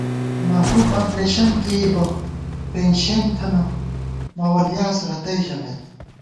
محبوب اپرېشین کېئ بہ پېن شېن تھنہ، مہ ولیاس رتئ ژَمېت